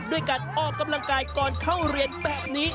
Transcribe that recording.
ด้วยการออกกำลังกายก่อนเข้าเรียนแบบนี้